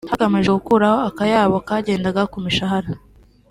hagamijwe gukuraho akayabo kagendaga ku mishahara